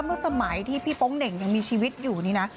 เมื่อสมัยที่พี่โป๊งเหน่งยังมีชีวิตอยู่นี่นะ